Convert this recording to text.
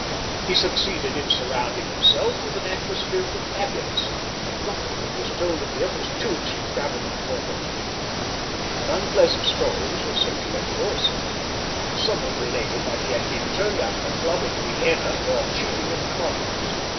He succeeded in surrounding himself with an atmosphere of the fabulous, and nothing that was told of him was too extravagant for belief. But unpleasant stories were circulated also, and someone related that he had been turned out of a club in Vienna for cheating at cards.